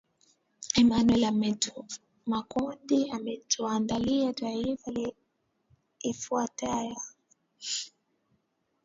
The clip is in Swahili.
emanuel makundi ametuandalia taifa ifuatayo